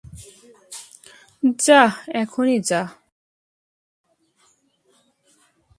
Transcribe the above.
যাহ্, এখনই যা!